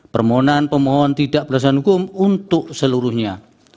permohonan permohon tidak berharga menurut hukum untuk seluruhnya